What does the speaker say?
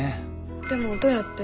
でもどうやって？